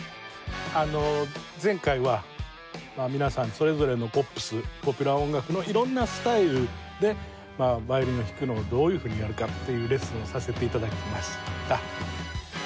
あの前回は皆さんそれぞれのポップスポピュラー音楽の色んなスタイルでヴァイオリンを弾くのをどういうふうにやるかっていうレッスンをさせて頂きました。